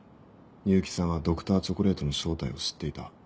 結城さんはＤｒ．チョコレートの正体を知っていた。